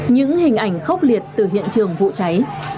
những hình ảnh khốc liệt từ hiện trường vụ cháy